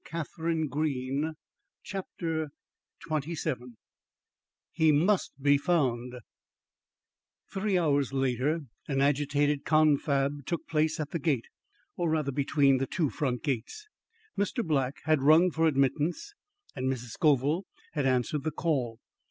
BOOK III THE DOOR OF MYSTERY XXVII HE MUST BE FOUND Three hours later, an agitated confab took place at the gate, or rather between the two front gates. Mr. Black had rung for admittance, and Mrs. Scoville had answered the call.